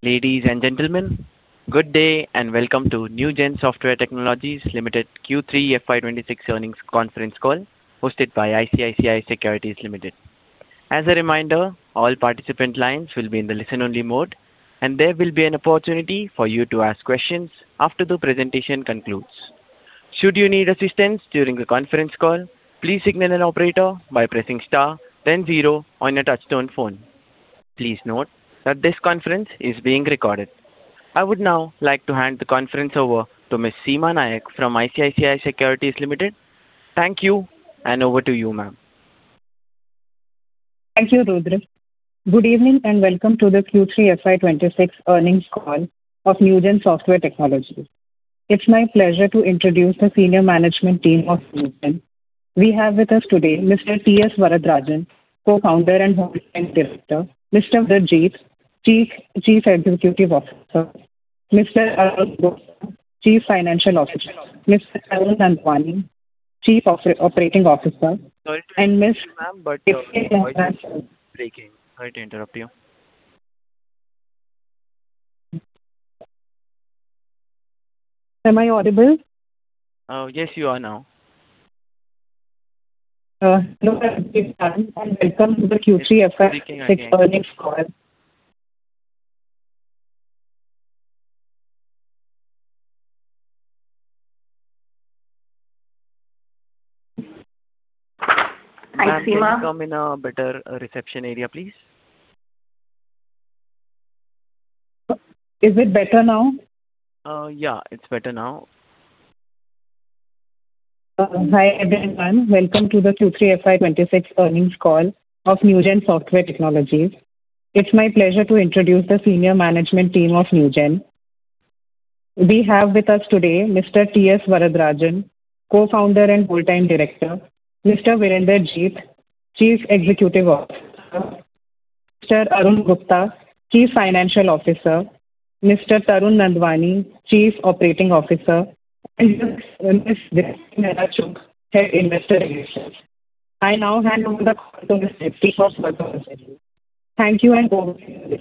Ladies and gentlemen, good day and welcome to Newgen Software Technologies Limited Q3 FY26 earnings conference call hosted by ICICI Securities Limited. As a reminder, all participant lines will be in the listen-only mode, and there will be an opportunity for you to ask questions after the presentation concludes. Should you need assistance during the conference call, please signal an operator by pressing star, then zero on your touch-tone phone. Please note that this conference is being recorded. I would now like to hand the conference over to Ms. Seema Nayak from ICICI Securities Limited. Thank you, and over to you, ma'am. Thank you, Rudri. Good evening and welcome to the Q3 FY26 earnings call of Newgen Software Technologies. It's my pleasure to introduce the senior management team of Newgen. We have with us today Mr. T. S. Varadarajan, Co-Founder and Director, Mr. Jeet, Chief Executive Officer, Mr. Arun Gupta, Chief Financial Officer, Mr. Tarun Nandwani, Chief Operating Officer, and Ms. Am I audible? Yes, you are now. Hello, Mr. Jeet, and welcome to the Q3 FY26 earnings call. Hi, Seema. Can you come in a better reception area, please? Is it better now? Yeah, it's better now. Hi, everyone. Welcome to the Q3 FY26 earnings call of Newgen Software Technologies. It's my pleasure to introduce the senior management team of Newgen. We have with us today Mr. T. S. Varadarajan, Co-Founder and Whole-time Director, Mr. Virender Jeet, Chief Executive Officer, Mr. Arun Gupta, Chief Financial Officer, Mr. Tarun Nandwani, Chief Operating Officer, and Ms. Deepti Mehra, Head of Investor Relations. I now hand over the call to Mr. Jeet for further discussion. Thank you, and over to you.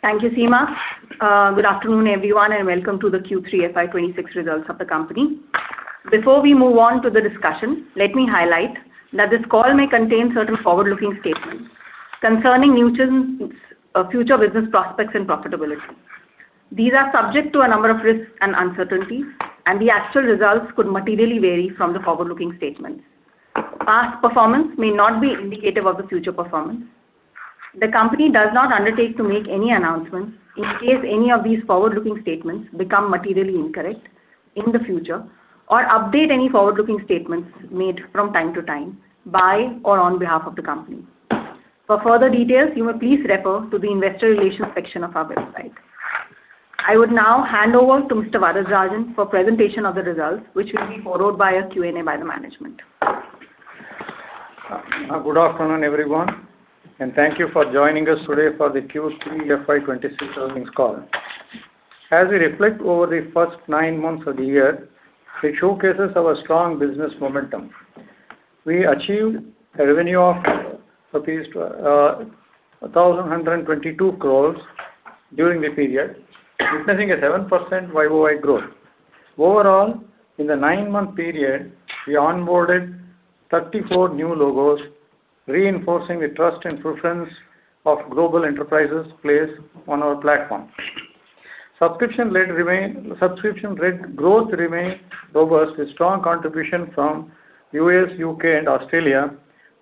Thank you, Seema. Good afternoon, everyone, and welcome to the Q3 FY26 results of the company. Before we move on to the discussion, let me highlight that this call may contain certain forward-looking statements concerning future business prospects and profitability. These are subject to a number of risks and uncertainties, and the actual results could materially vary from the forward-looking statements. Past performance may not be indicative of the future performance. The company does not undertake to make any announcements in case any of these forward-looking statements become materially incorrect in the future or update any forward-looking statements made from time to time by or on behalf of the company. For further details, you may please refer to the investor relations section of our website. I would now hand over to Mr. Varadarajan for presentation of the results, which will be followed by a Q&A by the management. Good afternoon, everyone, and thank you for joining us today for the Q3 FY26 earnings call. As we reflect over the first nine months of the year, it showcases our strong business momentum. We achieved a revenue of rupees 1,122 crores during the period, witnessing a 7% YOY growth. Overall, in the nine-month period, we onboarded 34 new logos, reinforcing the trust and preference of global enterprises placed on our platform. Subscription growth remained robust with strong contributions from the U.S., U.K., and Australia,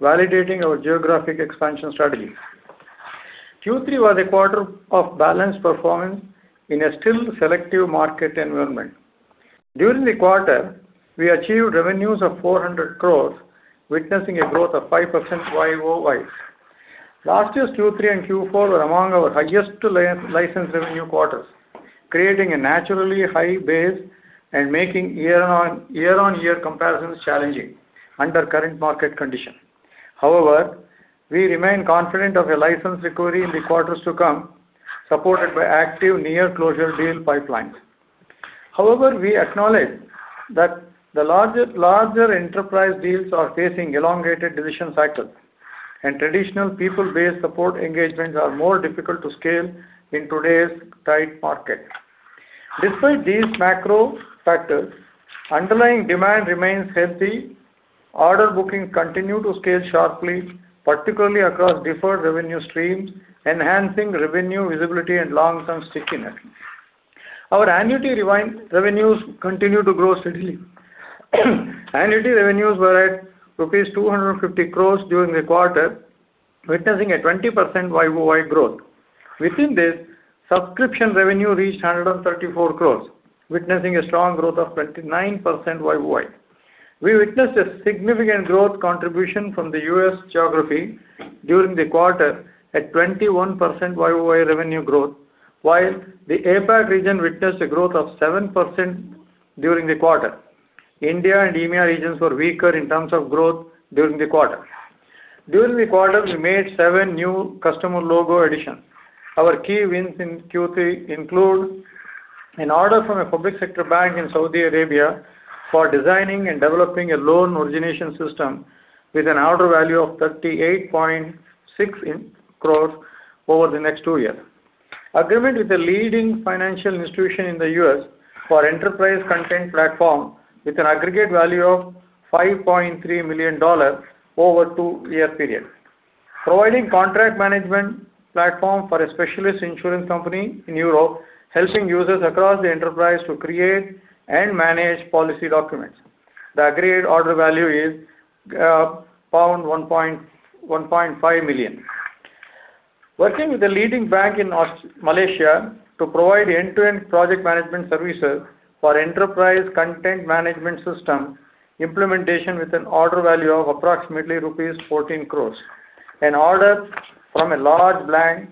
validating our geographic expansion strategy. Q3 was a quarter of balanced performance in a still selective market environment. During the quarter, we achieved revenues of 400 crore, witnessing a growth of 5% YOY. Last year's Q3 and Q4 were among our highest licensed revenue quarters, creating a naturally high base and making year-on-year comparisons challenging under current market conditions. However, we remain confident of a license recovery in the quarters to come, supported by active near-closure deal pipelines. However, we acknowledge that the larger enterprise deals are facing elongated decision cycles, and traditional people-based support engagements are more difficult to scale in today's tight market. Despite these macro factors, underlying demand remains healthy. Order bookings continue to scale sharply, particularly across different revenue streams, enhancing revenue visibility and long-term stickiness. Our annuity revenues continue to grow steadily. Annuity revenues were at INR 250 crores during the quarter, witnessing a 20% YOY growth. Within this, subscription revenue reached 134 crores, witnessing a strong growth of 29% YOY. We witnessed a significant growth contribution from the U.S. geography during the quarter at 21% YOY revenue growth, while the APAC region witnessed a growth of 7% during the quarter. India and EMEA regions were weaker in terms of growth during the quarter. During the quarter, we made seven new customer logo additions. Our key wins in Q3 include an order from a public sector bank in Saudi Arabia for designing and developing a loan origination system with an order value of ₹38.6 crores over the next two years. Agreement with a leading financial institution in the U.S. for enterprise content platform with an aggregate value of $5.3 million over a two-year period. Providing contract management platform for a specialist insurance company in Europe, helping users across the enterprise to create and manage policy documents. The agreed order value is £1.5 million. Working with a leading bank in Malaysia to provide end-to-end project management services for enterprise content management system implementation with an order value of approximately ₹14 crores. An order from a large bank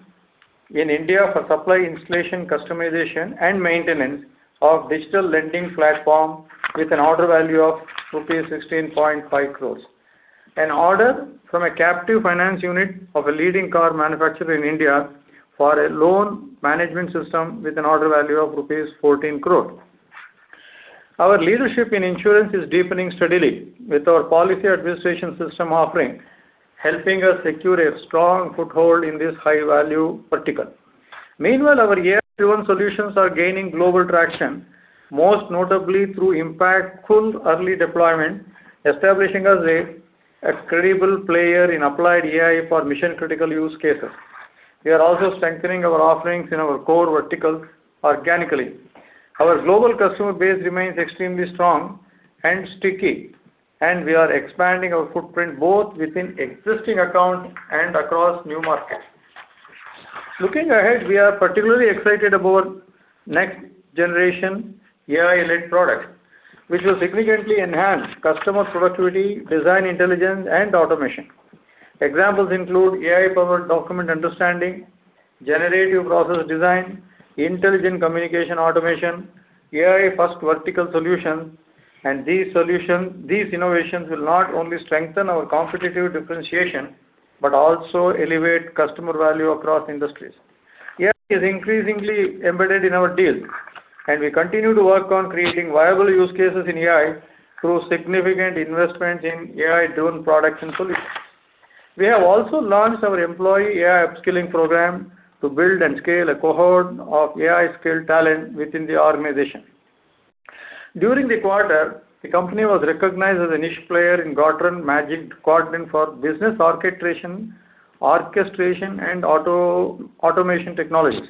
in India for supply installation, customization, and maintenance of digital lending platform with an order value of INR 16.5 crores. An order from a captive finance unit of a leading car manufacturer in India for a loan management system with an order value of rupees 14 crores. Our leadership in insurance is deepening steadily with our policy administration system offering, helping us secure a strong foothold in this high-value vertical. Meanwhile, our AI-driven solutions are gaining global traction, most notably through impactful early deployment, establishing us as a credible player in applied AI for mission-critical use cases. We are also strengthening our offerings in our core vertical organically. Our global customer base remains extremely strong and sticky, and we are expanding our footprint both within existing accounts and across new markets. Looking ahead, we are particularly excited about next-generation AI-led products, which will significantly enhance customer productivity, design intelligence, and automation. Examples include AI-powered document understanding, generative process design, intelligent communication automation, AI-first vertical solutions, and these innovations will not only strengthen our competitive differentiation but also elevate customer value across industries. AI is increasingly embedded in our deals, and we continue to work on creating viable use cases in AI through significant investments in AI-driven products and solutions. We have also launched our employee AI upskilling program to build and scale a cohort of AI-skilled talent within the organization. During the quarter, the company was recognized as a niche player in Gartner Magic Quadrant for Business Orchestration and Automation Technologies.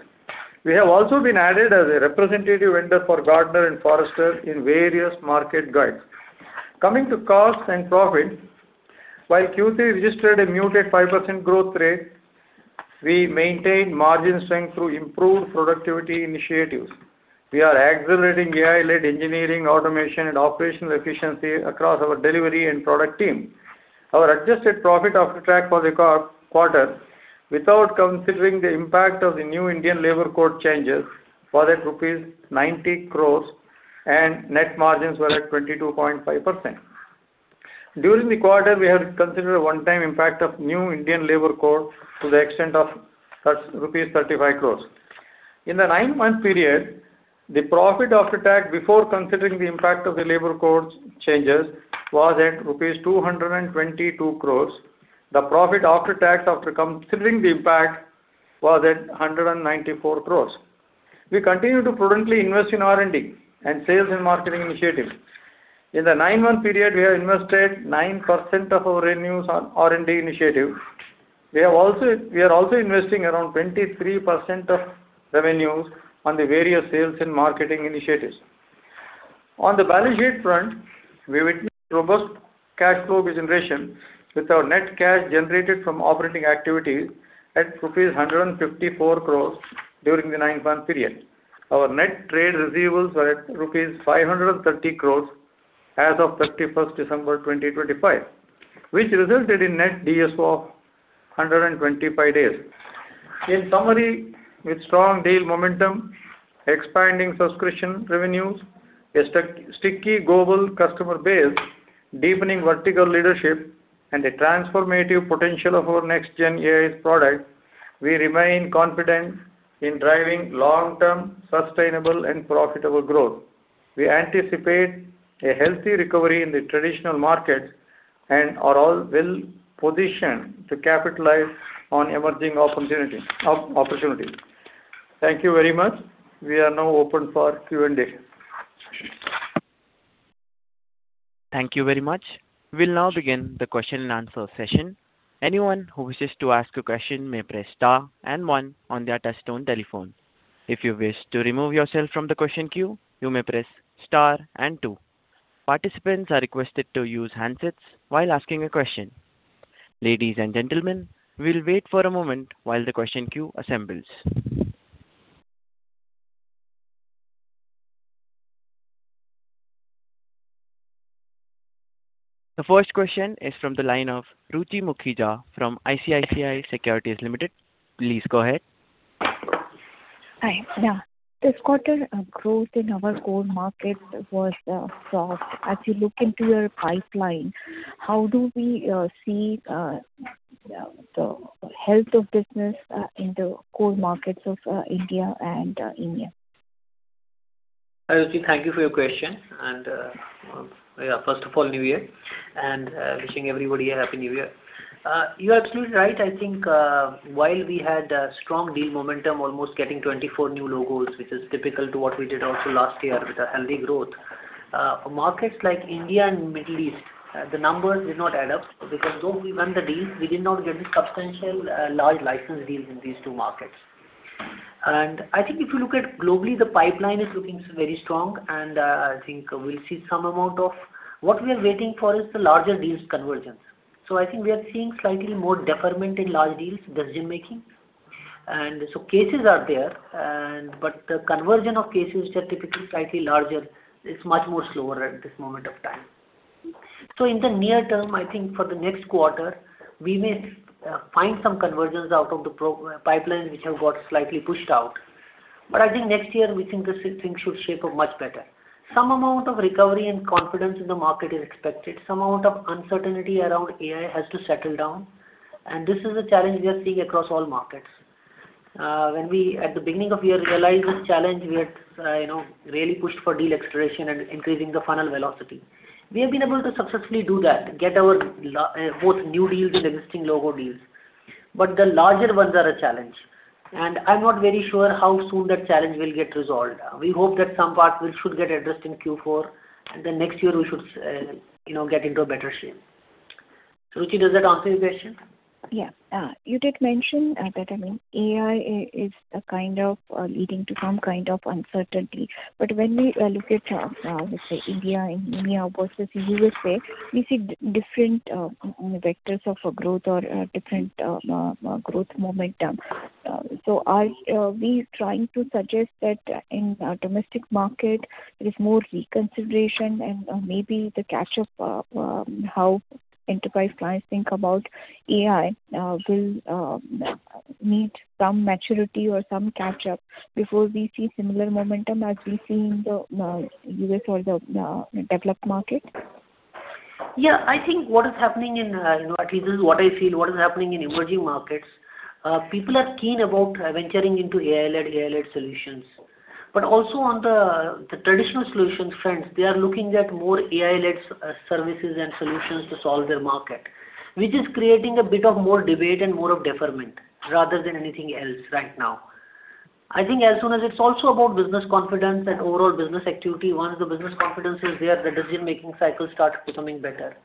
We have also been added as a representative vendor for Gartner and Forrester in various market guides. Coming to costs and profit, while Q3 registered a muted 5% growth rate, we maintained margin strength through improved productivity initiatives. We are accelerating AI-led engineering, automation, and operational efficiency across our delivery and product team. Our adjusted profit after tax for the quarter, without considering the impact of the new Indian labor code changes, was at rupees 90 crores, and net margins were at 22.5%. During the quarter, we have considered a one-time impact of new Indian labor code to the extent of rupees 35 crores. In the nine-month period, the profit after tax before considering the impact of the labor code changes was at rupees 222 crores. The profit after tax after considering the impact was at 194 crores. We continue to prudently invest in R&D and sales and marketing initiatives. In the nine-month period, we have invested 9% of our revenues on R&D initiatives. We are also investing around 23% of revenues on the various sales and marketing initiatives. On the balance sheet front, we witnessed robust cash flow generation with our net cash generated from operating activities at INR 154 crores during the nine-month period. Our net trade receivables were at INR 530 crores as of 31st December 2025, which resulted in net DSO of 125 days. In summary, with strong deal momentum, expanding subscription revenues, a sticky global customer base, deepening vertical leadership, and the transformative potential of our next-gen AI products, we remain confident in driving long-term sustainable and profitable growth. We anticipate a healthy recovery in the traditional markets and are well-positioned to capitalize on emerging opportunities. Thank you very much. We are now open for Q&A. Thank you very much. We'll now begin the question and answer session. Anyone who wishes to ask a question may press star and one on their touch-tone telephone. If you wish to remove yourself from the question queue, you may press star and two. Participants are requested to use handsets while asking a question. Ladies and gentlemen, we'll wait for a moment while the question queue assembles. The first question is from the line of Ruchi Mukhija from ICICI Securities Limited. Please go ahead. Hi. This quarter, growth in our core markets was strong. As you look into your pipeline, how do we see the health of business in the core markets of India and the US? Ruchi, thank you for your question. First of all, new year, and wishing everybody a Happy New Year. You're absolutely right. I think while we had a strong deal momentum, almost getting 24 new logos, which is typical to what we did also last year with a healthy growth, for markets like India and Middle East, the numbers did not add up because though we won the deal, we did not get substantial large license deals in these two markets. I think if you look at globally, the pipeline is looking very strong, and I think we'll see some amount of what we are waiting for is the larger deals convergence. So I think we are seeing slightly more deferment in large deals, decision-making. So cases are there, but the conversion of cases are typically slightly larger. It's much more slower at this moment of time. So in the near term, I think for the next quarter, we may find some convergence out of the pipelines which have got slightly pushed out. But I think next year, we think this thing should shape up much better. Some amount of recovery and confidence in the market is expected. Some amount of uncertainty around AI has to settle down. And this is a challenge we are seeing across all markets. When we, at the beginning of the year, realized this challenge, we had really pushed for deal acceleration and increasing the final velocity. We have been able to successfully do that, get our both new deals and existing logo deals. But the larger ones are a challenge. And I'm not very sure how soon that challenge will get resolved. We hope that some part should get addressed in Q4, and then next year, we should get into a better shape. Ruchi, does that answer your question? Yeah. You did mention that. I mean, AI is a kind of leading to some kind of uncertainty. But when we look at, let's say, India and EMEA versus USA, we see different vectors of growth or different growth momentum. So are we trying to suggest that in our domestic market, there is more reconsideration and maybe the catch-up how enterprise clients think about AI will need some maturity or some catch-up before we see similar momentum as we see in the US or the developed market? Yeah. I think what is happening in, at least this is what I feel, what is happening in emerging markets, people are keen about venturing into AI-led, AI-led solutions. But also on the traditional solutions, friends, they are looking at more AI-led services and solutions to solve their market, which is creating a bit of more debate and more of deferment rather than anything else right now. I think as soon as it's also about business confidence and overall business activity, once the business confidence is there, the decision-making cycle starts becoming better.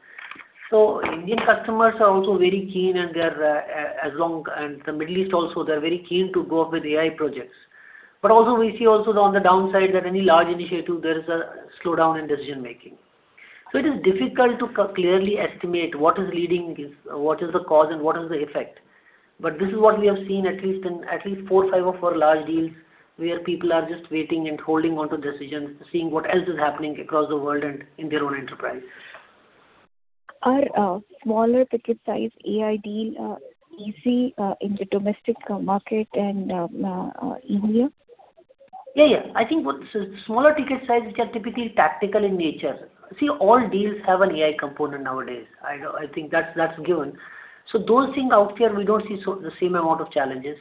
So Indian customers are also very keen, and they're also along with the Middle East also, they're very keen to go ahead with AI projects. But also we see also on the downside that any large initiative, there is a slowdown in decision-making. It is difficult to clearly estimate what is leading, what is the cause, and what is the effect. But this is what we have seen at least in four or five of our large deals where people are just waiting and holding onto decisions, seeing what else is happening across the world and in their own enterprise. Are smaller ticket size AI deals easy in the domestic market and India? Yeah, yeah. I think what smaller ticket size is typically tactical in nature. See, all deals have an AI component nowadays. I think that's given. So those things out there, we don't see the same amount of challenges.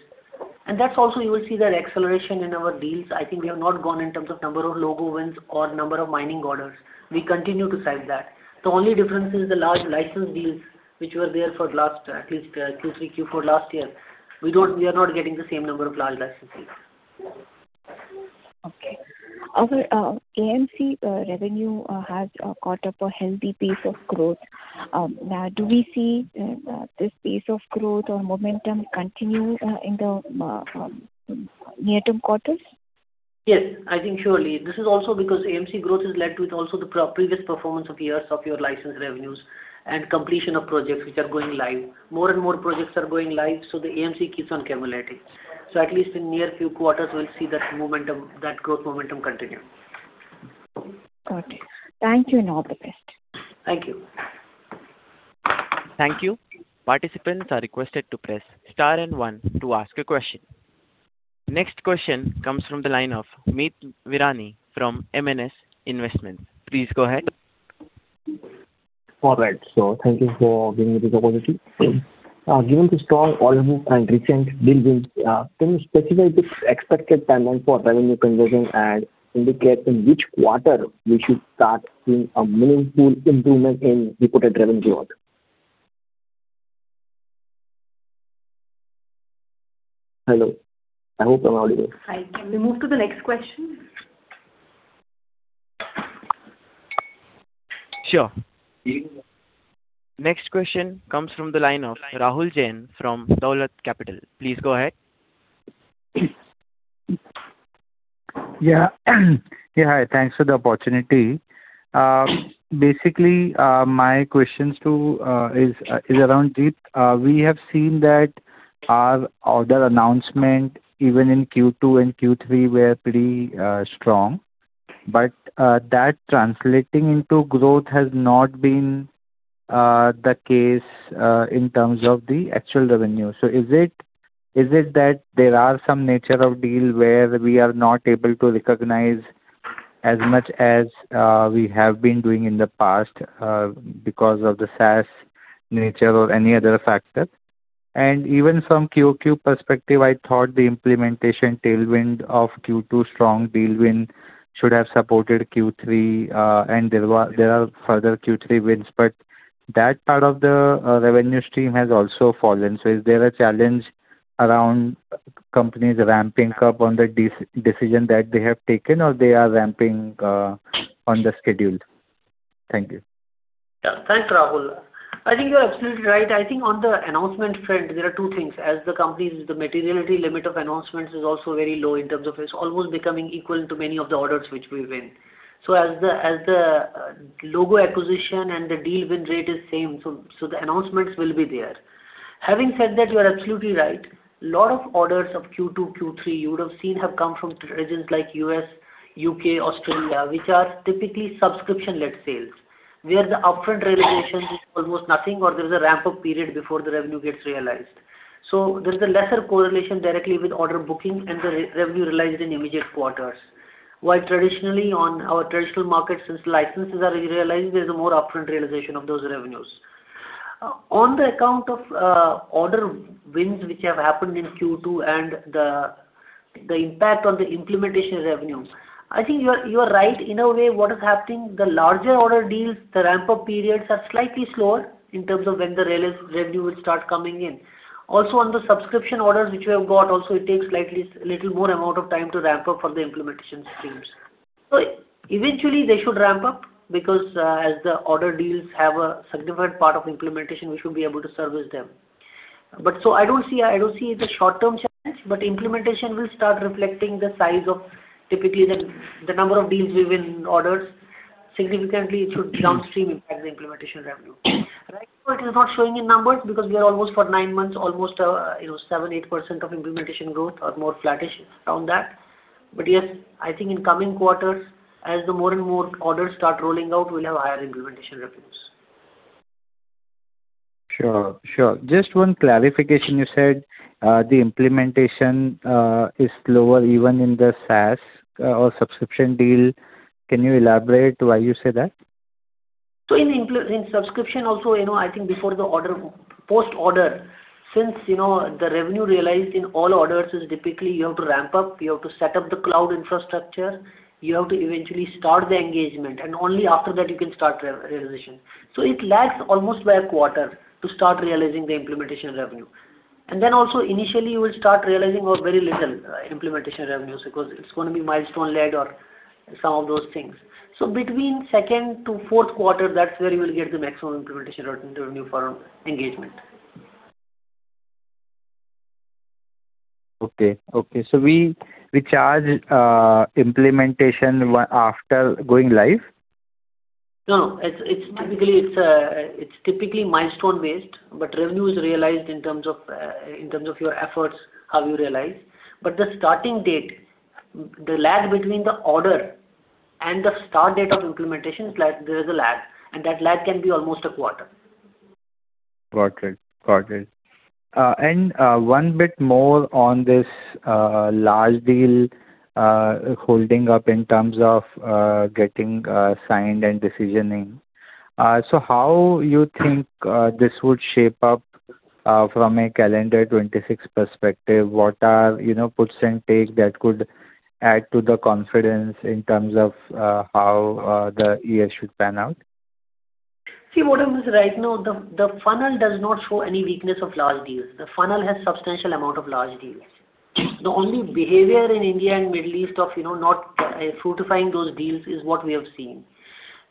And that's also. You will see that acceleration in our deals. I think we have not gone down in terms of number of logo wins or number of minor orders. We continue to see that. The only difference is the large license deals which were there last, at least Q3, Q4 last year. We are not getting the same number of large license deals. Okay. AMC revenue has caught up a healthy pace of growth. Now, do we see this pace of growth or momentum continue in the near-term quarters? Yes, I think surely. This is also because AMC growth is led with also the previous performance of years of your license revenues and completion of projects which are going live. More and more projects are going live, so the AMC keeps on accumulating. So at least in near few quarters, we'll see that momentum, that growth momentum continue. Okay. Thank you and all the best. Thank you. Thank you. Participants are requested to press star and one to ask a question. Next question comes from the line of Meet Virani from M&S Investments. Please go ahead. All right. So thank you for being with us. Given the strong volume and recent deal wins, can you specify the expected timeline for revenue conversion and indicate in which quarter we should start seeing a meaningful improvement in reported revenue growth? Hello. I hope I'm audible. Hi. Can we move to the next question? Sure. Next question comes from the line of Rahul Jain from Dolat Capital. Please go ahead. Yeah. Yeah. Thanks for the opportunity. Basically, my question too is around Deepti. We have seen that our other announcement, even in Q2 and Q3, were pretty strong. But that translating into growth has not been the case in terms of the actual revenue. So is it that there are some nature of deal where we are not able to recognize as much as we have been doing in the past because of the SaaS nature or any other factor? And even from QoQ perspective, I thought the implementation tailwind of Q2 strong deal win should have supported Q3, and there are further Q3 wins. But that part of the revenue stream has also fallen. So is there a challenge around companies ramping up on the decision that they have taken, or they are ramping on the schedule? Thank you. Yeah. Thanks, Rahul. I think you're absolutely right. I think on the announcement front, there are two things. As the companies, the materiality limit of announcements is also very low in terms of it's almost becoming equal to many of the orders which we win. So as the logo acquisition and the deal win rate is same, so the announcements will be there. Having said that, you're absolutely right. A lot of orders of Q2, Q3, you would have seen have come from regions like U.S., U.K., Australia, which are typically subscription-led sales, where the upfront realization is almost nothing, or there's a ramp-up period before the revenue gets realized. So there's a lesser correlation directly with order booking and the revenue realized in immediate quarters, while traditionally on our traditional markets, since licenses are realized, there's a more upfront realization of those revenues. On the account of order wins which have happened in Q2 and the impact on the implementation revenue, I think you are right. In a way, what is happening, the larger order deals, the ramp-up periods are slightly slower in terms of when the revenue will start coming in. Also, on the subscription orders which we have got, also it takes slightly a little more amount of time to ramp up for the implementation streams. So eventually, they should ramp up because as the order deals have a significant part of implementation, we should be able to service them. But so I don't see the short-term challenge, but implementation will start reflecting the size of typically the number of deals we win orders significantly. It should downstream impact the implementation revenue. Right now, it is not showing in numbers because we are almost for nine months, almost 7%, 8% of implementation growth or more flattish around that, but yes, I think in coming quarters, as the more and more orders start rolling out, we'll have higher implementation revenues. Sure. Sure. Just one clarification. You said the implementation is slower even in the SaaS or subscription deal. Can you elaborate why you say that? So in subscription also, I think before the order post-order, since the revenue realized in all orders is typically you have to ramp up, you have to set up the cloud infrastructure, you have to eventually start the engagement, and only after that you can start realization. So it lags almost by a quarter to start realizing the implementation revenue. And then also initially, you will start realizing very little implementation revenues because it's going to be milestone-led or some of those things. So between second to fourth quarter, that's where you will get the maximum implementation revenue for engagement. Okay. So we charge implementation after going live? No. No. It's typically milestone-based, but revenue is realized in terms of your efforts, how you realize. But the starting date, the lag between the order and the start date of implementation, there is a lag. And that lag can be almost a quarter. Got it. Got it, and one bit more on this large deal holding up in terms of getting signed and decisioning, so how do you think this would shape up from a calendar 2026 perspective? What percentage that could add to the confidence in terms of how the year should pan out? See, what I was right, the funnel does not show any weakness of large deals. The funnel has substantial amount of large deals. The only behavior in India and Middle East of not fruitifying those deals is what we have seen.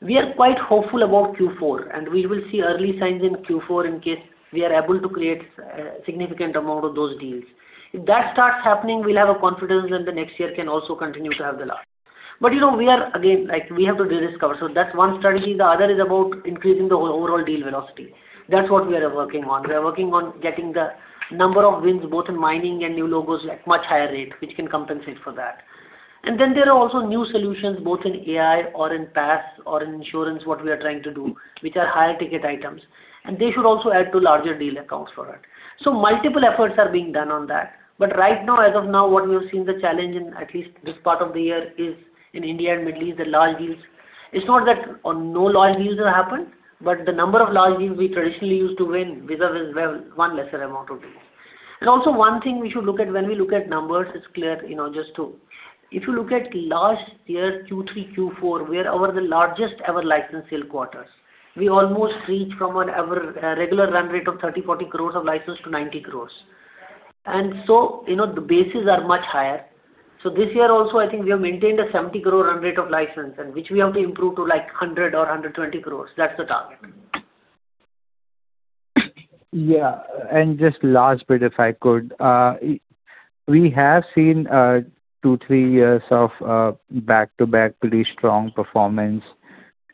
We are quite hopeful about Q4, and we will see early signs in Q4 in case we are able to create a significant amount of those deals. If that starts happening, we'll have a confidence that the next year can also continue to have the large. But we are, again, we have to discover. So that's one strategy. The other is about increasing the overall deal velocity. That's what we are working on. We are working on getting the number of wins both in mining and new logos at much higher rate, which can compensate for that. And then there are also new solutions both in AI or in PaaS or in insurance, what we are trying to do, which are higher ticket items. And they should also add to larger deal accounts for it. So multiple efforts are being done on that. But right now, as of now, what we have seen the challenge in at least this part of the year is in India and Middle East, the large deals. It's not that no large deals have happened, but the number of large deals we traditionally used to win with one lesser amount of deals. And also one thing we should look at when we look at numbers, it's clear just to if you look at last year, Q3, Q4, we are over the largest ever license sale quarters. We almost reach from a regular run rate of 30-40 crores of license to 90 crores. And so the bases are much higher. So this year also, I think we have maintained a 70-crore run rate of license, which we have to improve to like 100 or 120 crores. That's the target. Yeah. And just last bit, if I could. We have seen two, three years of back-to-back pretty strong performance.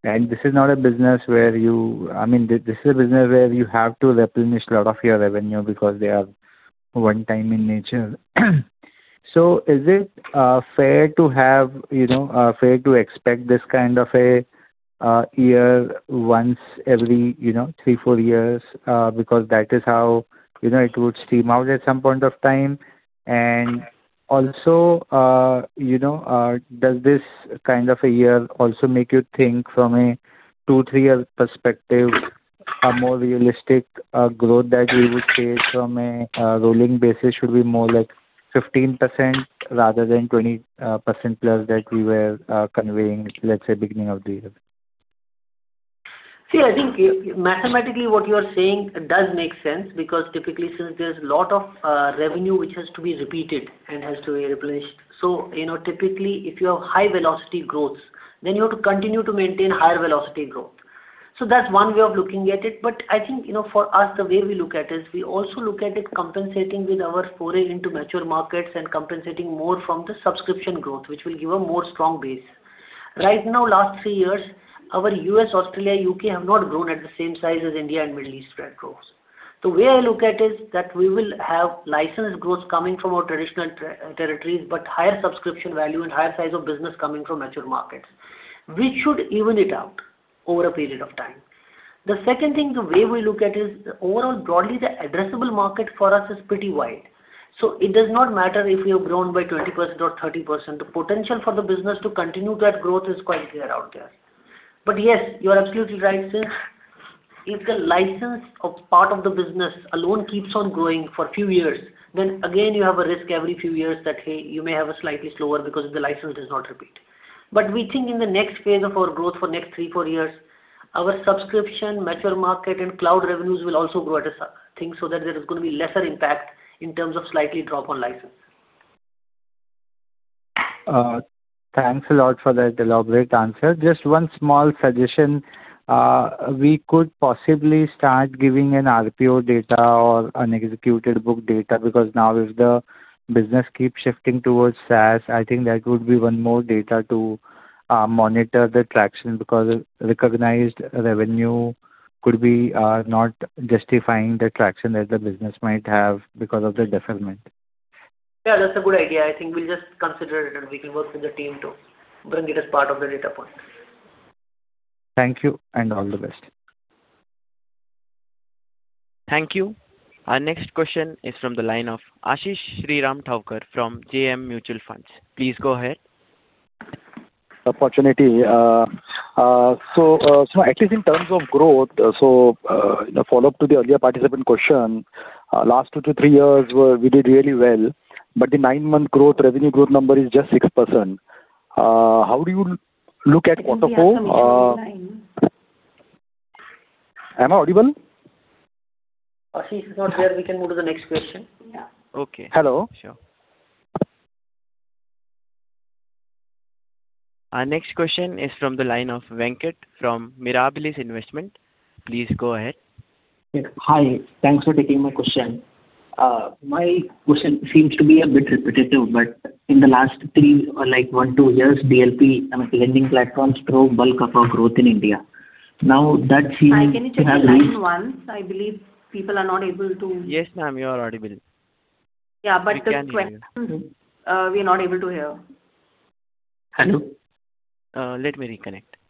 And this is not a business where you I mean, this is a business where you have to replenish a lot of your revenue because they are one-time in nature. So is it fair to expect this kind of a year once every three, four years because that is how it would stream out at some point of time? And also, does this kind of a year also make you think from a two, three-year perspective, a more realistic growth that we would say from a rolling basis should be more like 15% rather than 20% plus that we were conveying, let's say, beginning of the year? See, I think mathematically what you are saying does make sense because typically since there's a lot of revenue which has to be repeated and has to be replenished, so typically, if you have high velocity growths, then you have to continue to maintain higher velocity growth, so that's one way of looking at it, but I think for us, the way we look at it is we also look at it compensating with our foray into mature markets and compensating more from the subscription growth, which will give a more strong base, right now, last three years, our U.S., Australia, U.K. have not grown at the same size as India and Middle East growth. The way I look at it is that we will have license growth coming from our traditional territories, but higher subscription value and higher size of business coming from mature markets, which should even it out over a period of time. The second thing, the way we look at is overall broadly, the addressable market for us is pretty wide. So it does not matter if we have grown by 20% or 30%. The potential for the business to continue to add growth is quite clear out there. But yes, you are absolutely right. Since if the license part of the business alone keeps on growing for a few years, then again, you have a risk every few years that, hey, you may have a slightly slower because the license does not repeat. But we think in the next phase of our growth for next three, four years, our subscription, mature market, and cloud revenues will also grow at a thing so that there is going to be lesser impact in terms of slight drop on license. Thanks a lot for that elaborate answer. Just one small suggestion. We could possibly start giving an RPO data or an executed book data because now if the business keeps shifting towards SaaS, I think that would be one more data to monitor the traction because recognized revenue could be not justifying the traction that the business might have because of the deferment. Yeah. That's a good idea. I think we'll just consider it, and we can work with the team to bring it as part of the data point. Thank you and all the best. Thank you. Our next question is from the line of Ashish Sriram Thavkar from JM Mutual Fund. Please go ahead. Opportunity. So, at least in terms of growth, so follow up to the earlier participant question, last two to three years, we did really well, but the nine-month growth revenue growth number is just 6%. How do you look at quarter four? Yeah. Something changed. Am I audible? Ashish is not there. We can move to the next question. Yeah. Okay. Hello. Sure. Our next question is from the line of Venkat from Mirabilis Investment. Please go ahead. Hi. Thanks for taking my question. My question seems to be a bit repetitive, but in the last three or like one, two years, DLP, I mean, lending platforms drove bulk of our growth in India. Now that seems. Hi. Can you check the line once? I believe people are not able to. Yes, ma'am. You are audible. Yeah. But the question, we are not able to hear. Hello? Let me reconnect.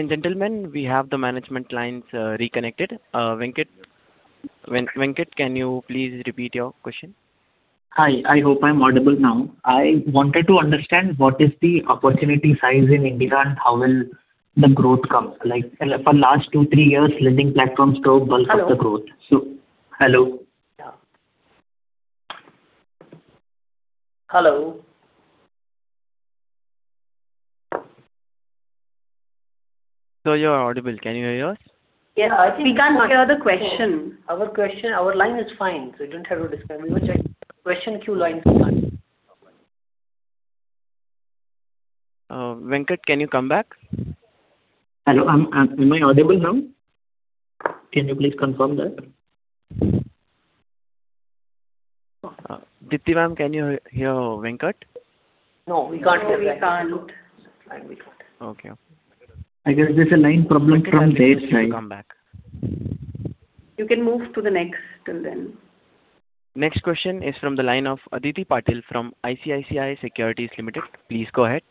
Ladies and gentlemen, we have the management lines reconnected. Venkat, can you please repeat your question? Hi. I hope I'm audible now. I wanted to understand what is the opportunity size in India and how will the growth come? For the last two, three years, lending platforms drove bulk of the growth. So hello. Yeah. Hello. So you are audible. Can you hear us? Yeah. We can't hear the question. Our line is fine. So we don't have to describe. We were checking the question queue lines once. Venkat, can you come back? Hello. Am I audible now? Can you please confirm that? Deepti ma'am, can you hear Venkat? No. We can't hear Venkat. Okay. Okay. I guess there's a line problem from their side. You can move to the next till then. Next question is from the line of Aditi Patil from ICICI Securities Limited. Please go ahead.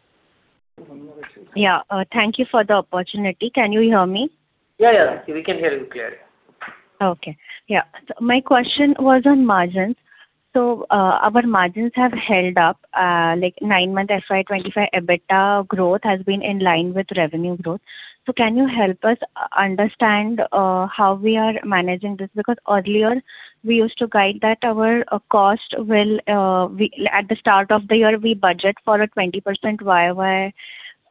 Yeah. Thank you for the opportunity. Can you hear me? Yeah. Yeah. We can hear you clearly. Okay. Yeah. So my question was on margins. So our margins have held up. Nine-month FY25 EBITDA growth has been in line with revenue growth. So can you help us understand how we are managing this? Because earlier, we used to guide that our cost will at the start of the year, we budget for a 20%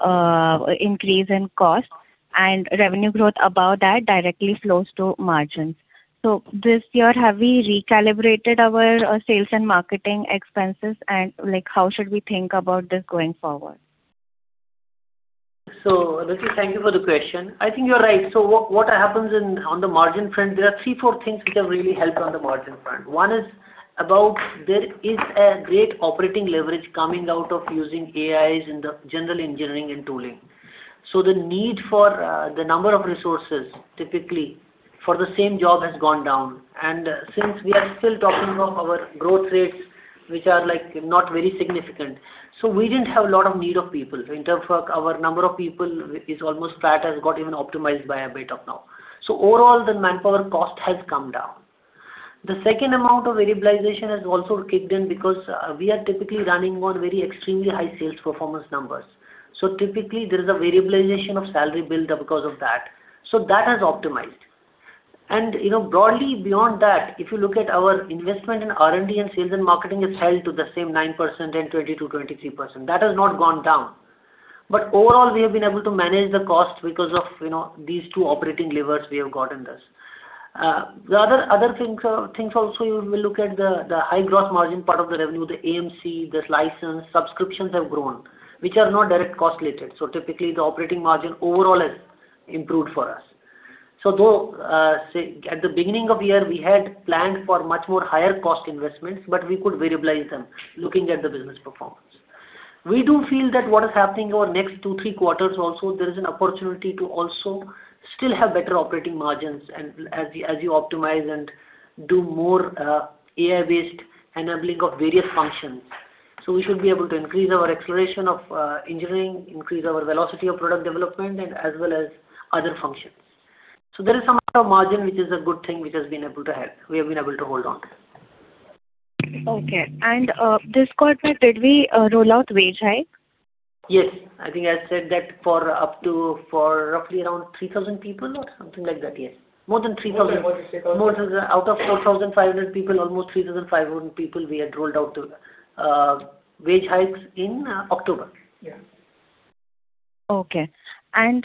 YOY increase in cost, and revenue growth above that directly flows to margins. So this year, have we recalibrated our sales and marketing expenses, and how should we think about this going forward? So thank you for the question. I think you're right. So what happens on the margin front, there are three, four things which have really helped on the margin front. One is about there is a great operating leverage coming out of using AIs in the general engineering and tooling. So the need for the number of resources typically for the same job has gone down. And since we are still talking of our growth rates, which are not very significant, so we didn't have a lot of need of people. In terms of our number of people, it's almost that has got even optimized by a bit of now. So overall, the manpower cost has come down. The second amount of variabilization has also kicked in because we are typically running on very extremely high sales performance numbers. So typically, there is a variabilization of salary build-up because of that. So that has optimized. And broadly beyond that, if you look at our investment in R&D and sales and marketing, it's held to the same 9% and 22%-23%. That has not gone down. But overall, we have been able to manage the cost because of these two operating levers we have got in this. The other things also, you will look at the high gross margin part of the revenue, the AMC, the license, subscriptions have grown, which are not direct cost-related. So typically, the operating margin overall has improved for us. So though at the beginning of the year, we had planned for much more higher cost investments, but we could variabilize them looking at the business performance. We do feel that what is happening over next two, three quarters also, there is an opportunity to also still have better operating margins as you optimize and do more AI-based enabling of various functions. So we should be able to increase our acceleration of engineering, increase our velocity of product development, and as well as other functions. So there is some amount of margin, which is a good thing which has been able to help. We have been able to hold on to it. Okay. And this quarter, did we roll out wage hike? Yes. I think I said that for roughly around 3,000 people or something like that. Yes. More than 3,000. Out of 4,500 people, almost 3,500 people, we had rolled out the wage hikes in October. Okay. And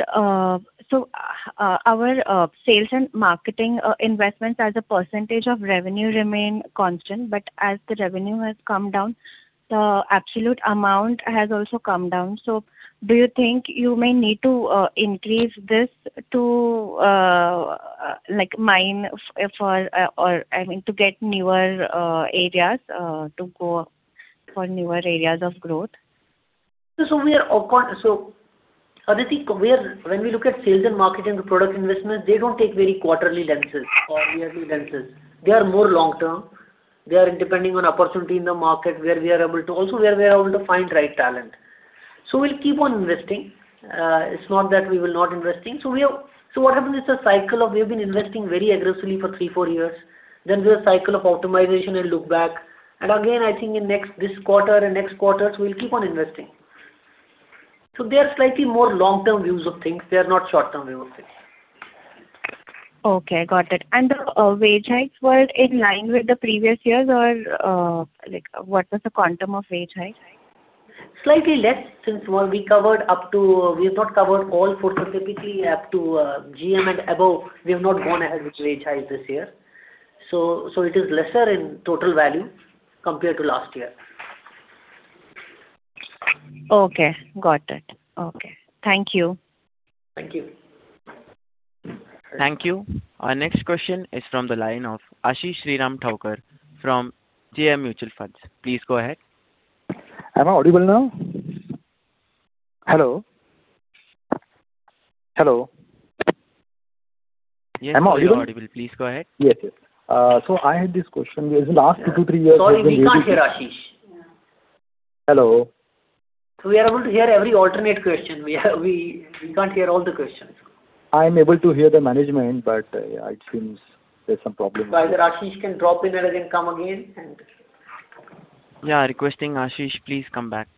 so our sales and marketing investments as a percentage of revenue remain constant, but as the revenue has come down, the absolute amount has also come down. So do you think you may need to increase this to mine for, I mean, to get newer areas to go for newer areas of growth? So, Aditi, when we look at sales and marketing product investments, they don't take very quarterly lenses or yearly lenses. They are more long-term. They are depending on opportunity in the market where we are also able to find right talent. So we'll keep on investing. It's not that we will not investing. So what happens is a cycle of we have been investing very aggressively for three, four years. Then there's a cycle of optimization and look back, and again, I think in this quarter and next quarters, we'll keep on investing. So they are slightly more long-term views of things. They are not short-term views of things. Okay. Got it. And the wage hikes were in line with the previous years, or what was the quantum of wage hike? Slightly less, since we covered up to—we have not covered all 400—typically up to GM and above. We have not gone ahead with wage hike this year. So it is lesser in total value compared to last year. Okay. Got it. Okay. Thank you. Thank you. Thank you. Our next question is from the line of Ashish Sriram Thavkar from JM Mutual Funds. Please go ahead. Am I audible now? Hello. Hello. Yes. Please go ahead. Yes. So I had this question. The last two, three years when we. Sorry. We can't hear Ashish. Hello. So we are able to hear every alternate question. We can't hear all the questions. I'm able to hear the management, but it seems there's some problem. So, either Ashish can drop in and then come again and. Yeah. Requesting Ashish, please come back.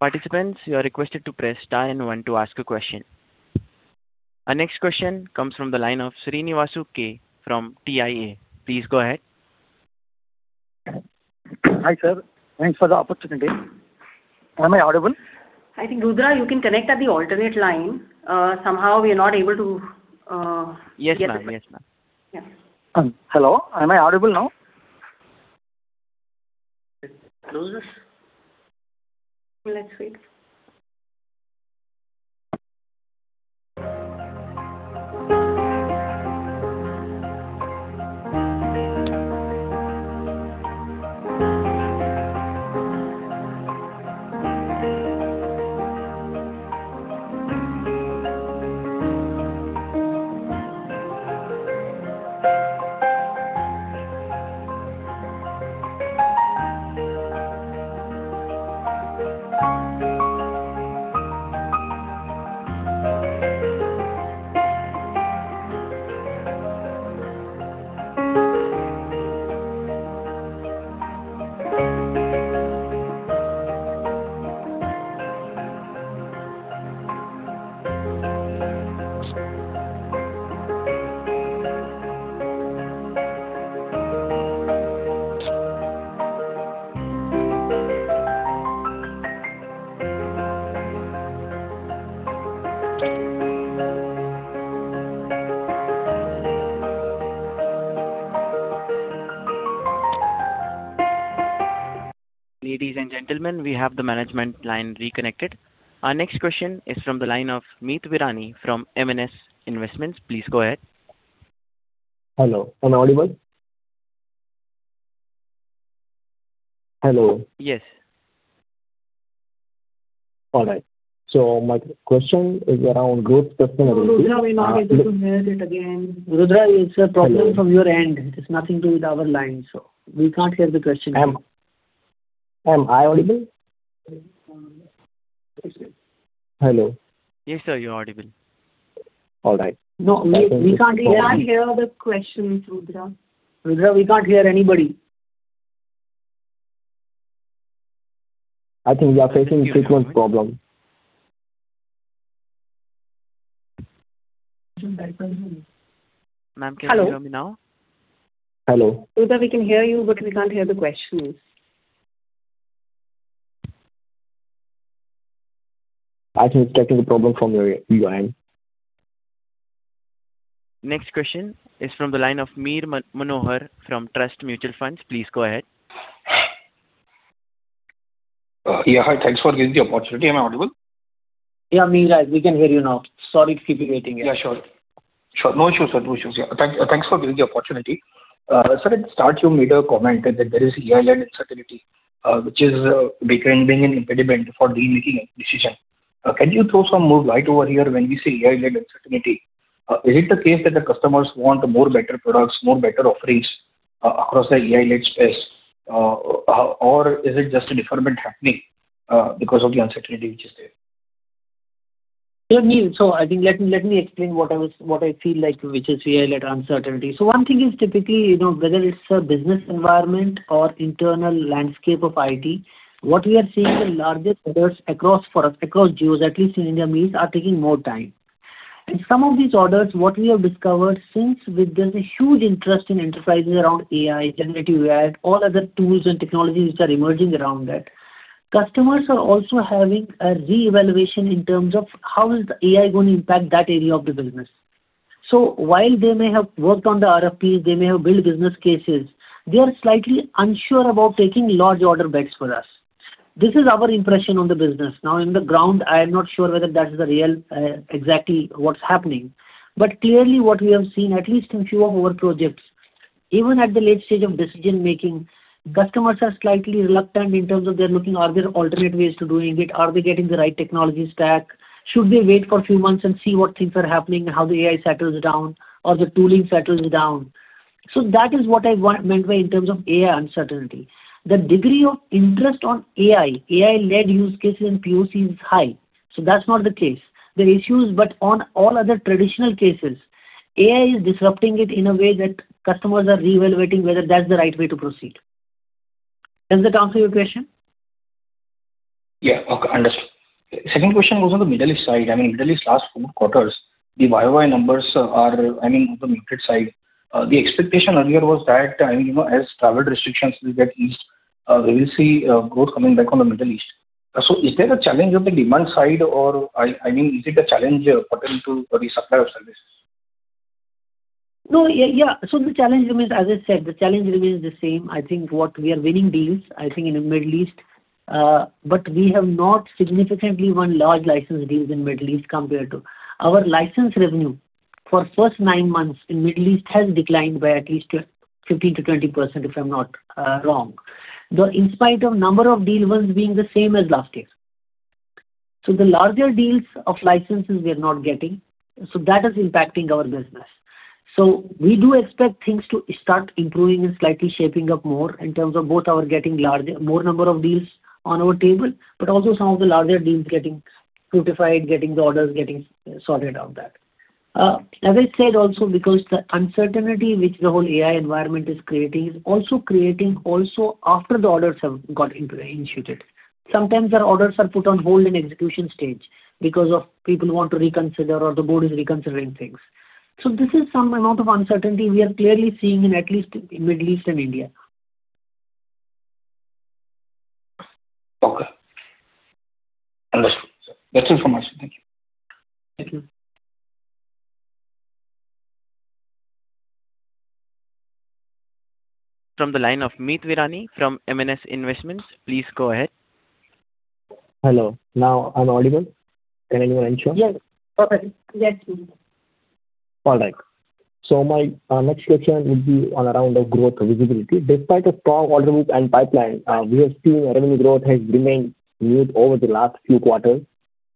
Participants, you are requested to press star and one to ask a question. Our next question comes from the line of Srinivasu K. from TIA. Please go ahead. Hi, sir. Thanks for the opportunity. Am I audible? I think, Rudri, you can connect at the alternate line. Somehow, we are not able to. Yes, ma'am. Yes, ma'am. Yeah. Hello. Am I audible now? Yes. Hello? Let's wait. Ladies and gentlemen, we have the management line reconnected. Our next question is from the line of Meet Virani from M&S Investments. Please go ahead. Hello. Am I audible? Hello. Yes. All right, so my question is around growth sustainability. Rudri, we're not able to hear it again. Rudri, it's a problem from your end. It's nothing to do with our line. So we can't hear the question. Am I audible? Hello. Yes, sir. You're audible. All right. No. We can't hear the questions. Rudri, we can't hear anybody. I think we are facing a frequent problem. Ma'am, can you hear me now? Hello. Rudri, we can hear you, but we can't hear the questions. I think it's getting a problem from your end. Next question is from the line of Mihir Manohar from Trust Mutual Funds. Please go ahead. Yeah. Hi. Thanks for giving the opportunity. Am I audible? Yeah. Meer, we can hear you now. Sorry to keep you waiting. Yeah. Sure. Sure. No issues. No issues. Yeah. Thanks for giving the opportunity. Sir, at the start, you made a comment that there is AI-led uncertainty, which is becoming an impediment for making a decision. Can you throw some more light over here when we say AI-led uncertainty? Is it the case that the customers want more better products, more better offerings across the AI-led space, or is it just a deferment happening because of the uncertainty which is there? So I think let me explain what I feel like, which is AI-led uncertainty. So one thing is typically whether it's a business environment or internal landscape of IT, what we are seeing is the largest orders across geos, at least in India, means are taking more time, and some of these orders, what we have discovered since with the huge interest in enterprises around AI, generative AI, all other tools and technologies which are emerging around that, customers are also having a re-evaluation in terms of how is the AI going to impact that area of the business, so while they may have worked on the RFPs, they may have built business cases, they are slightly unsure about taking large orders for us. This is our impression on the business. Now, on the ground, I am not sure whether that is exactly what's happening. But clearly, what we have seen, at least in a few of our projects, even at the late stage of decision-making, customers are slightly reluctant in terms of they're looking: are there alternate ways to doing it, are they getting the right technologies back, should they wait for a few months and see what things are happening, how the AI settles down, or the tooling settles down. So that is what I meant by in terms of AI uncertainty. The degree of interest on AI, AI-led use cases and POCs is high. So that's not the case. The issues but on all other traditional cases, AI is disrupting it in a way that customers are re-evaluating whether that's the right way to proceed. Does that answer your question? Yeah. Okay. Understood. Second question was on the Middle East side. I mean, Middle East last four quarters, the YOY numbers are, I mean, on the muted side. The expectation earlier was that, I mean, as travel restrictions will get eased, we will see growth coming back on the Middle East. So is there a challenge on the demand side, or I mean, is it a challenge pertinent to resupply of services? No. Yeah. So the challenge remains, as I said, the challenge remains the same. I think what we are winning deals, I think, in the Middle East, but we have not significantly won large license deals in the Middle East compared to our license revenue for the first nine months in the Middle East has declined by at least 15%-20%, if I'm not wrong. In spite of the number of deals being the same as last year. So the larger deals of licenses we are not getting. So that is impacting our business. So we do expect things to start improving and slightly shaping up more in terms of both our getting more number of deals on our table, but also some of the larger deals getting fructified, getting the orders getting sorted out that. As I said, also because the uncertainty which the whole AI environment is creating is also creating after the orders have gotten initiated. Sometimes our orders are put on hold in execution stage because people want to reconsider or the board is reconsidering things, so this is some amount of uncertainty we are clearly seeing in at least the Middle East and India. Okay. Understood. That's information. Thank you. Thank you. From the line of Meet Virani from MNS Investments, please go ahead. Hello. Now, I'm audible. Can anyone answer? Yes. Okay. Yes, please. All right. So my next question would be on around the growth visibility. Despite a strong order book and pipeline, we have seen revenue growth has remained muted over the last few quarters.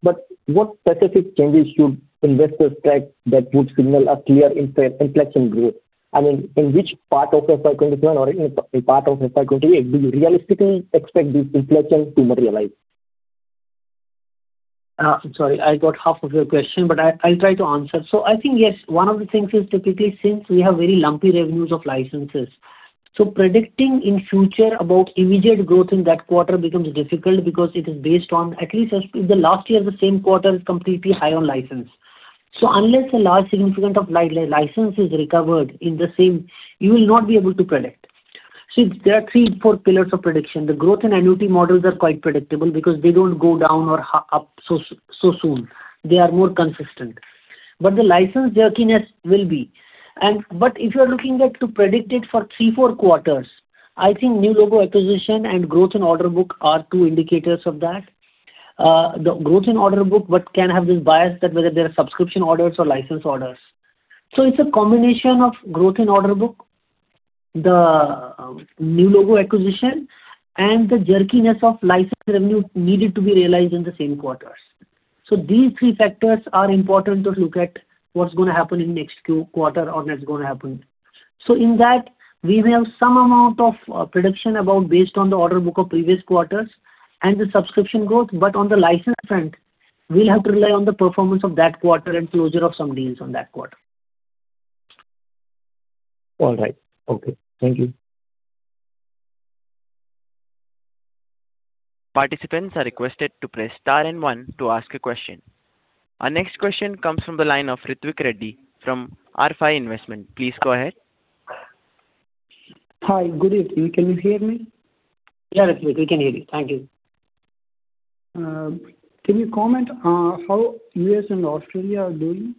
But what specific changes should investors track that would signal a clear inflection growth? I mean, in which part of FY21 or in part of FY28, do you realistically expect this inflection to materialize? Sorry. I got half of your question, but I'll try to answer, so I think, yes, one of the things is typically since we have very lumpy revenues of licenses, so predicting in future about immediate growth in that quarter becomes difficult because it is based on at least in the last year, the same quarter is completely high on license, so unless a large significant of license is recovered in the same, you will not be able to predict, so there are three, four pillars of prediction. The growth and annuity models are quite predictable because they don't go down or up so soon. They are more consistent, but the license jerkiness will be, but if you are looking at to predict it for three, four quarters, I think new logo acquisition and growth in order book are two indicators of that. The growth in order book but can have this bias that whether there are subscription orders or license orders. So it's a combination of growth in order book, the new logo acquisition, and the jerkiness of license revenue needed to be realized in the same quarters. So these three factors are important to look at what's going to happen in next quarter or next going to happen. So in that, we may have some amount of prediction about based on the order book of previous quarters and the subscription growth, but on the license front, we'll have to rely on the performance of that quarter and closure of some deals on that quarter. All right. Okay. Thank you. Participants are requested to press star and one to ask a question. Our next question comes from the line of Ritvik Reddy from RFI Investment. Please go ahead. Hi. Good evening. Can you hear me? Yeah, Ritvik. We can hear you. Thank you. Can you comment on how US and Australia are doing?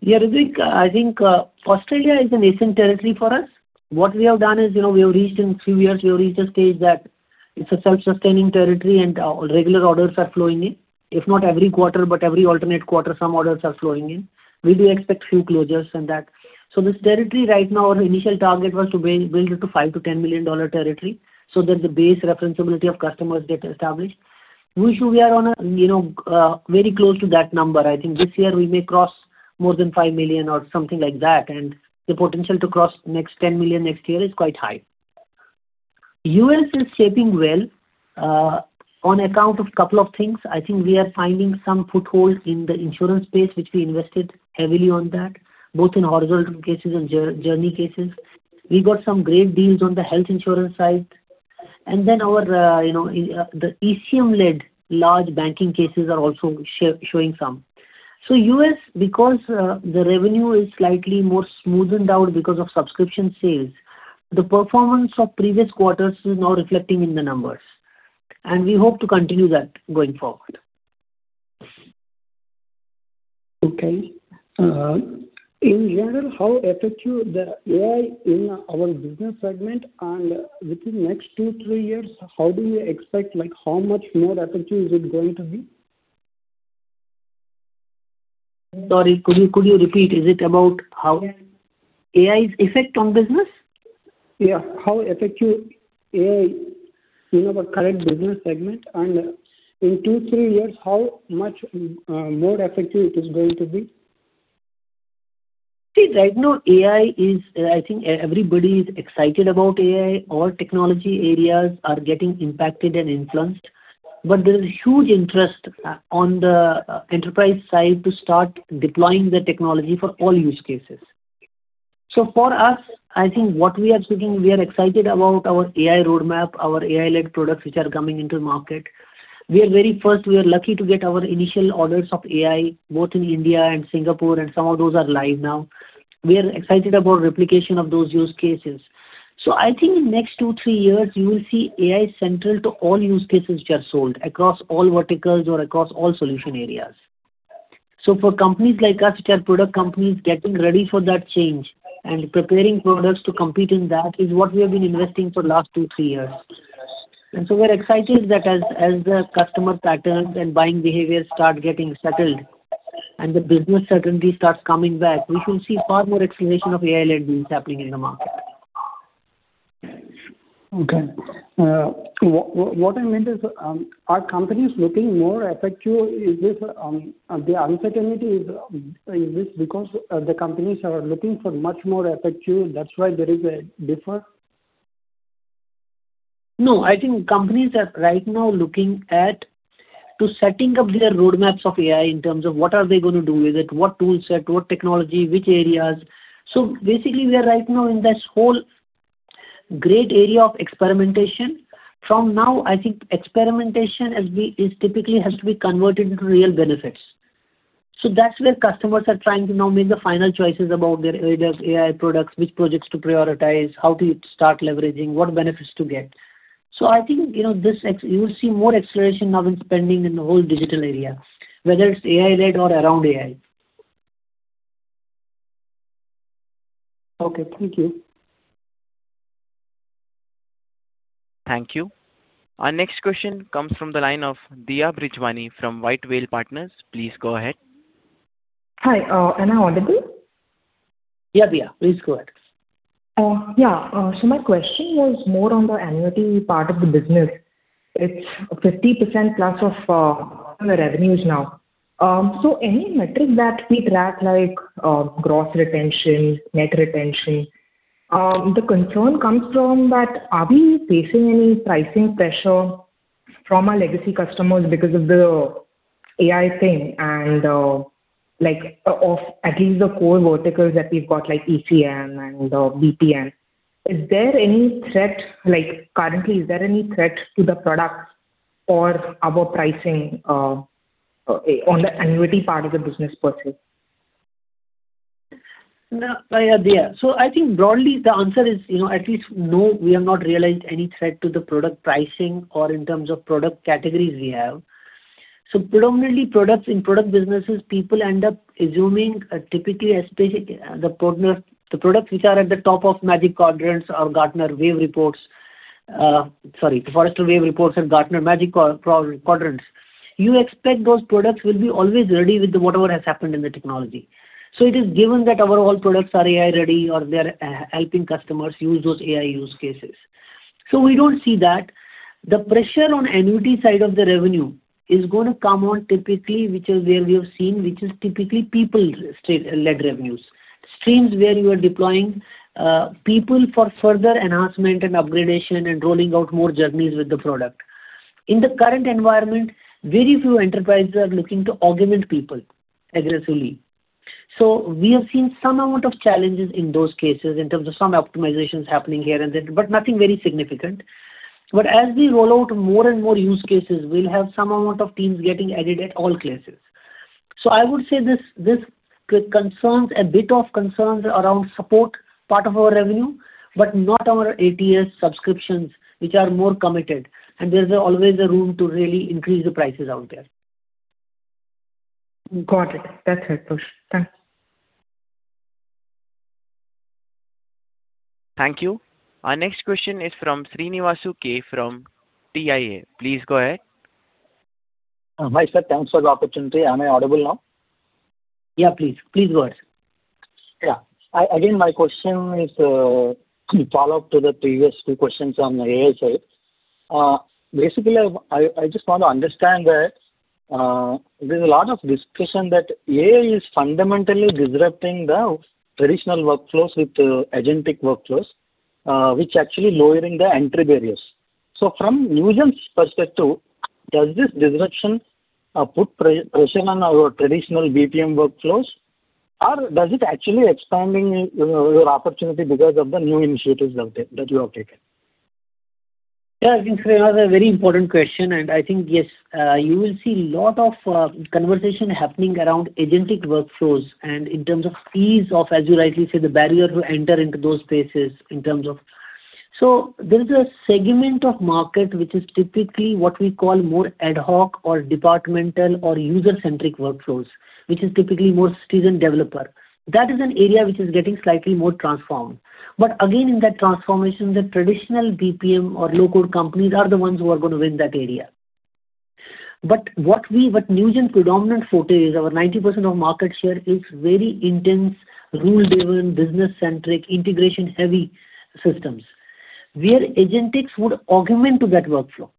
Yeah, Ritvik, I think Australia is an Asian territory for us. What we have done is we have reached in a few years, we have reached a stage that it's a self-sustaining territory and regular orders are flowing in. If not every quarter, but every alternate quarter, some orders are flowing in. We do expect few closures and that. So this territory right now, our initial target was to build it to $5-$10 million territory so that the base referenceability of customers gets established. We should be very close to that number. I think this year we may cross more than $5 million or something like that. And the potential to cross $10 million next year is quite high. U.S. is shaping well on account of a couple of things. I think we are finding some foothold in the insurance space, which we invested heavily on that, both in horizontal cases and journey cases. We got some great deals on the health insurance side, and then the ECM-led large banking cases are also showing some, so U.S., because the revenue is slightly more smoothened out because of subscription sales, the performance of previous quarters is now reflecting in the numbers, and we hope to continue that going forward. Okay. In general, how effective the AI in our business segment and within the next two, three years, how do you expect how much more effective is it going to be? Sorry. Could you repeat? Is it about how AI affects business? Yeah. How effective AI in our current business segment and in two, three years, how much more effective it is going to be? See, right now, AI is. I think everybody is excited aboust AI. All technology areas are getting impacted and influenced. But there is huge interest on the enterprise side to start deploying the technology for all use cases. So for us, I think what we are seeking, we are excited about our AI roadmap, our AI-led products which are coming into the market. We are very first, we are lucky to get our initial orders of AI, both in India and Singapore, and some of those are live now. We are excited about replication of those use cases. So I think in the next two, three years, you will see AI central to all use cases which are sold across all verticals or across all solution areas. For companies like us, which are product companies getting ready for that change and preparing products to compete in that, is what we have been investing for the last two, three years. We're excited that as the customer patterns and buying behaviors start getting settled and the business certainty starts coming back, we should see far more acceleration of AI-led deals happening in the market. Okay. What I meant is, are companies looking more effective? Is this the uncertainty? Is this because the companies are looking for much more effective? That's why there is a difference? No. I think companies are right now looking at setting up their roadmaps of AI in terms of what are they going to do with it, what toolset, what technology, which areas. So basically, we are right now in this whole great area of experimentation. From now, I think experimentation is typically has to be converted into real benefits. So that's where customers are trying to now make the final choices about their AI products, which projects to prioritize, how to start leveraging, what benefits to get. So I think you will see more acceleration now in spending in the whole digital area, whether it's AI-led or around AI. Okay. Thank you. Thank you. Our next question comes from the line of Deepa Brijwani from White Whale Partners. Please go ahead. Hi. Am I audible? Yeah, Deepa. Please go ahead. Yeah. So my question was more on the annuity part of the business. It's a 50% plus of the revenues now. So any metric that we track, like gross retention, net retention, the concern comes from that are we facing any pricing pressure from our legacy customers because of the AI thing and of at least the core verticals that we've got like ECM and BPM? Is there any threat currently? Is there any threat to the products or our pricing on the annuity part of the business per se? Yeah. So I think broadly, the answer is at least no, we have not realized any threat to the product pricing or in terms of product categories we have. So predominantly in product businesses, people end up assuming typically the products which are at the top of Magic Quadrants or Gartner Wave Reports - sorry, Forrester Wave Reports and Gartner Magic Quadrants - you expect those products will be always ready with whatever has happened in the technology. So it is given that our all products are AI-ready or they are helping customers use those AI use cases. So we don't see that. The pressure on the annuity side of the revenue is going to come on typically, which is where we have seen, which is typically people-led revenues, streams where you are deploying people for further enhancement and upgradation and rolling out more journeys with the product. In the current environment, very few enterprises are looking to augment people aggressively, so we have seen some amount of challenges in those cases in terms of some optimizations happening here and there, but nothing very significant, but as we roll out more and more use cases, we'll have some amount of teams getting added at all places, so I would say this concerns a bit of concerns around support part of our revenue, but not our ATS subscriptions, which are more committed, and there's always a room to really increase the prices out there. Got it. That's helpful. Thanks. Thank you. Our next question is from Srinivasu K. from TIA. Please go ahead. Hi, sir. Thanks for the opportunity. Am I audible now? Yeah, please. Please go ahead. Yeah. Again, my question is a follow-up to the previous two questions on the AI side. Basically, I just want to understand that there's a lot of discussion that AI is fundamentally disrupting the traditional workflows with agentic workflows, which actually lowering the entry barriers. So from user's perspective, does this disruption put pressure on our traditional BPM workflows, or does it actually expand your opportunity because of the new initiatives that you have taken? Yeah, I think that's a very important question. And I think, yes, you will see a lot of conversation happening around agentic workflows and in terms of ease of, as you rightly say, the barrier to enter into those spaces in terms of. So there's a segment of market which is typically what we call more ad hoc or departmental or user-centric workflows, which is typically more citizen developer. That is an area which is getting slightly more transformed. But again, in that transformation, the traditional BPM or low-code companies are the ones who are going to win that area. But what Newgen's predominant focus is, our 90% of market share is very intense, rule-driven, business-centric, integration-heavy systems, where agentic would augment that workflow.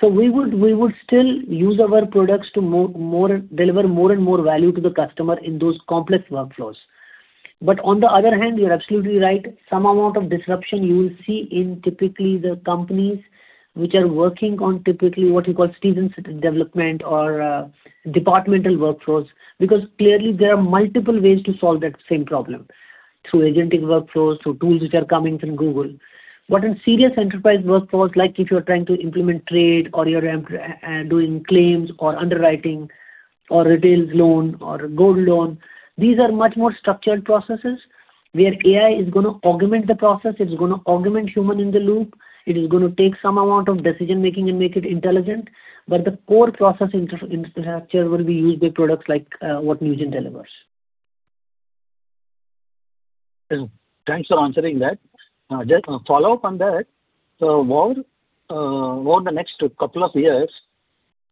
So we would still use our products to deliver more and more value to the customer in those complex workflows. But on the other hand, you're absolutely right. Some amount of disruption you will see in typically the companies which are working on typically what you call citizen development or departmental workflows because clearly there are multiple ways to solve that same problem through agentic workflows, through tools which are coming from Google. But in serious enterprise workflows, like if you're trying to implement trade or you're doing claims or underwriting or retail loan or gold loan, these are much more structured processes where AI is going to augment the process. It's going to augment human in the loop. It is going to take some amount of decision-making and make it intelligent. But the core process infrastructure will be used by products like what Newgen delivers. Thanks for answering that. Just a follow-up on that. Over the next couple of years,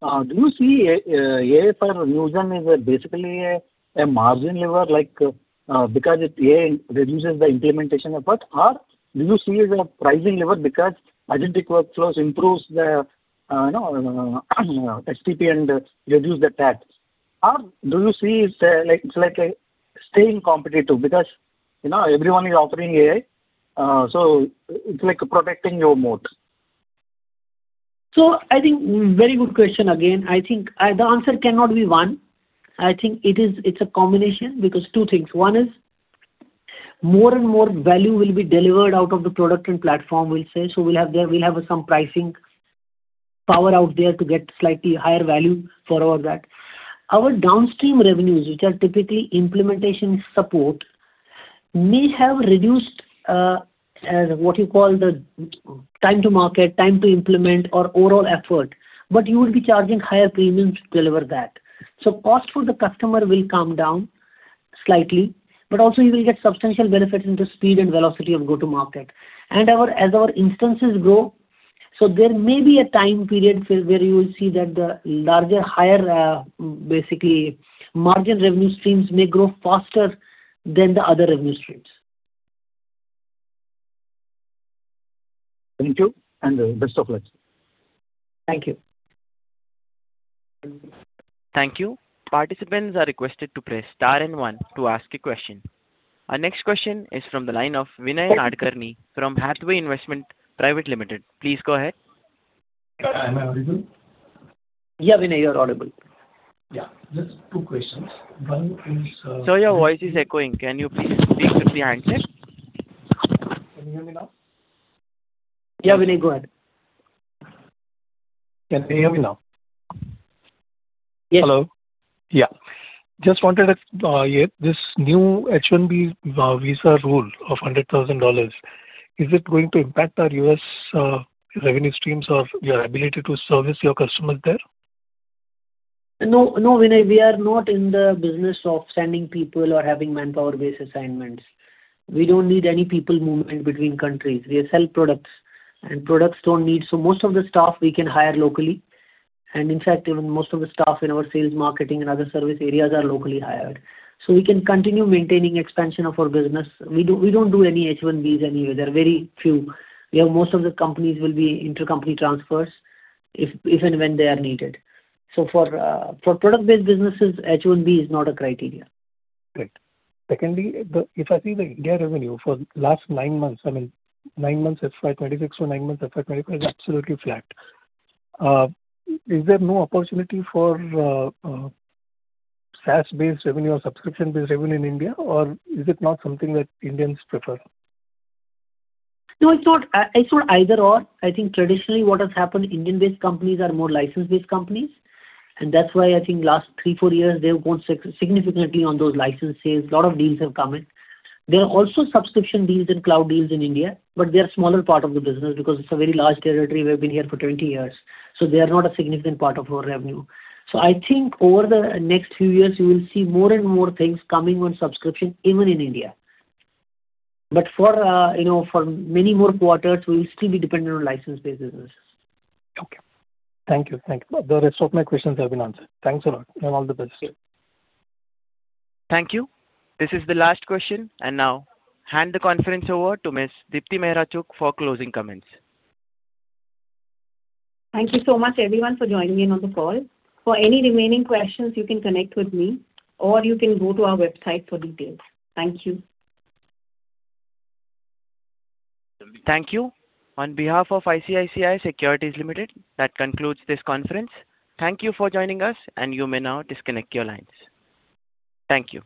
do you see AI for Newgen is basically a margin lever because it reduces the implementation effort? Or do you see it as a pricing lever because agentic workflows improve the STP and reduce the tax? Or do you see it's like staying competitive because everyone is offering AI? So it's like protecting your moat. So, I think very good question again. I think the answer cannot be one. I think it's a combination because two things. One is more and more value will be delivered out of the product and platform, we'll say. So we'll have some pricing power out there to get slightly higher value for all that. Our downstream revenues, which are typically implementation support, may have reduced what you call the time to market, time to implement, or overall effort. But you will be charging higher premiums to deliver that. So cost for the customer will come down slightly, but also you will get substantial benefits into speed and velocity of go-to-market. And as our instances grow, so there may be a time period where you will see that the larger, higher basically margin revenue streams may grow faster than the other revenue streams. Thank you and best of luck. Thank you. Thank you. Participants are requested to press star and one to ask a question. Our next question is from the line of Vinay Nadkarni from Hathway Investments Private Limited. Please go ahead. Hi. Am I audible? Yeah, Vinay, you're audible. Yeah. Just two questions. One is. So your voice is echoing. Can you please speak with the handset? Can you hear me now? Yeah, Vinay, go ahead. Can you hear me now? Yes. Hello. Yeah. Just wanted to ask, this new H-1B visa rule of $100,000, is it going to impact our U.S. revenue streams or your ability to service your customers there? No, Vinay. We are not in the business of sending people or having manpower-based assignments. We don't need any people movement between countries. We sell products, and products don't need so much of the staff we can hire locally. And in fact, even most of the staff in our sales, marketing, and other service areas are locally hired. So we can continue maintaining expansion of our business. We don't do any H-1Bs anywhere. They're very few. Most of the companies will be intercompany transfers if and when they are needed. So for product-based businesses, H-1B is not a criteria. Great. Secondly, if I see the India revenue for the last nine months, I mean, nine months FY 26 or nine months FY 25 is absolutely flat. Is there no opportunity for SaaS-based revenue or subscription-based revenue in India, or is it not something that Indians prefer? No, it's not either/or. I think traditionally what has happened, Indian-based companies are more license-based companies. And that's why I think last three, four years, they've gone significantly on those licenses. A lot of deals have come in. There are also subscription deals and cloud deals in India, but they are a smaller part of the business because it's a very large territory. We've been here for 20 years. So they are not a significant part of our revenue. So I think over the next few years, you will see more and more things coming on subscription, even in India. But for many more quarters, we will still be dependent on license-based businesses. Okay. Thank you. Thank you. The rest of my questions have been answered. Thanks a lot, and all the best. Thank you. This is the last question. And now, hand the conference over to Ms. Deepti Mehra Chugh for closing comments. Thank you so much, everyone, for joining in on the call. For any remaining questions, you can connect with me, or you can go to our website for details. Thank you. Thank you. On behalf of ICICI Securities Limited, that concludes this conference. Thank you for joining us, and you may now disconnect your lines. Thank you.